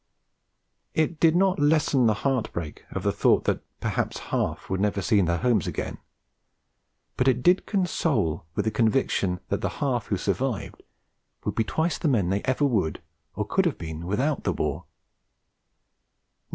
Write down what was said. It did not lessen the heart break of the thought that perhaps half would never see their homes again; but it did console with the conviction that the half who survived would be twice the men they ever would or could have been without the war.